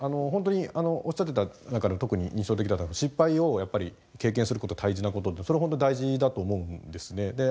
本当におっしゃってた中で特に印象的だったのが失敗をやっぱり経験することは大事なことってそれ本当大事だと思うんですね。